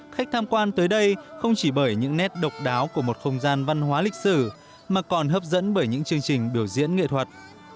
khách tham quan tới đây không chỉ bởi những nét độc đáo của một không gian văn hóa lịch sử mà còn hấp dẫn bởi những chương trình biểu diễn nghệ thuật